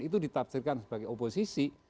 itu ditafsirkan sebagai oposisi